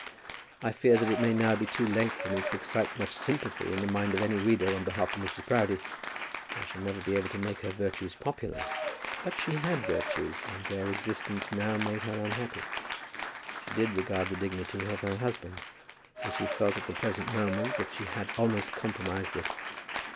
I fear that it may now be too late for me to excite much sympathy in the mind of any reader on behalf of Mrs. Proudie. I shall never be able to make her virtues popular. But she had virtues, and their existence now made her unhappy. She did regard the dignity of her husband, and she felt at the present moment that she had almost compromised it.